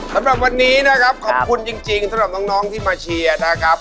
สำหรับวันนี้นะครับขอบคุณจริงสำหรับน้องที่มาเชียร์นะครับ